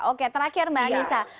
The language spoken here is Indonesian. oke terakhir mbak anissa